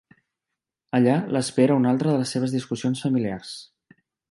Allà l'espera una altra de les seves discussions familiars.